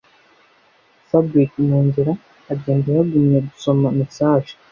Fabric munzira agenda yagumye gusoma message